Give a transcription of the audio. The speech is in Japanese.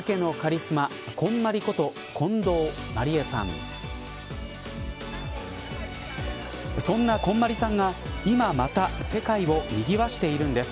そんな、こんまりさんが、今また世界をにぎわしているんです。